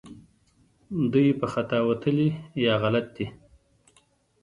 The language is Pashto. دوی په خطا وتلي یا غلط دي